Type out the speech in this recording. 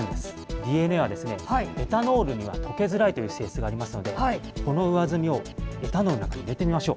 ＤＮＡはですね、エタノールには溶けづらいという性質がありますので、この上澄みをエタノールの中に入れてみましょう。